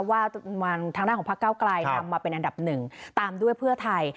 ว่าทางด้านของพักเก้าไกลนำมาเป็นอันดับหนึ่งตามด้วยเพื่อไทย